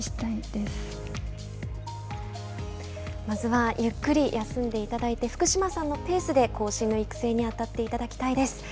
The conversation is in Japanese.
まずはゆっくり休んでいただいて福島さんのペースで後進の育成に当たっていただきたいです。